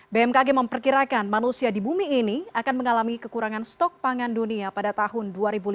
bmkg memperkirakan manusia di bumi ini akan mengalami kekurangan stok pangan dunia pada tahun dua ribu lima belas